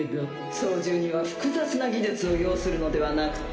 操縦には複雑な技術を要するのではなくて？